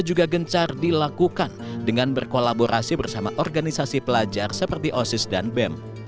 juga gencar dilakukan dengan berkolaborasi bersama organisasi pelajar seperti osis dan bem